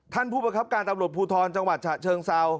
ท่านผู้ประคับการตำรวจภูทรจังหวัดฉะเชิงเซา